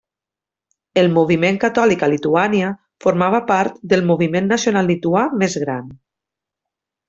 El moviment catòlic a Lituània formava part del moviment nacional lituà més gran.